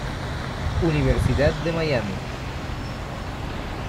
Universidad de Miami.